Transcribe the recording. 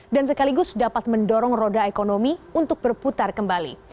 dan sekaligus dapat mendorong roda ekonomi untuk berputar kembali